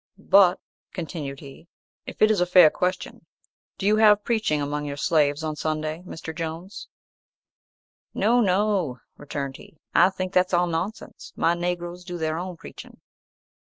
"But," continued he, "if it is a fair question, do you have preaching among your slaves on Sunday, Mr. Jones?" "No, no," returned he, "I think that's all nonsense; my Negroes do their own preaching."